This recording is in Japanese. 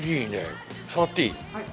触っていい？